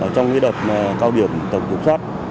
trong cái đợt cao điểm tầm kiểm soát